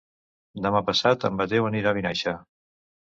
Demà passat en Mateu anirà a Vinaixa.